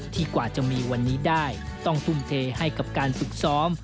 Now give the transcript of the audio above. กว่าจะมีวันนี้ได้ต้องทุ่มเทให้กับการฝึกซ้อม